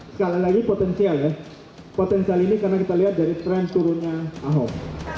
sekali lagi potensial ya potensial ini karena kita lihat dari tren turunnya ahok